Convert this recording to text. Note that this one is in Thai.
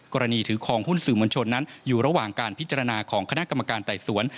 ถือคลองหุ้นสื่อมวลชนนั้นอยู่ระหว่างการพิจารณาของคณะกรรมการไต่สวน